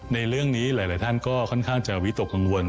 ในเรื่องนี้หลายท่านก็ค่อนข้างจะวิตกกังวล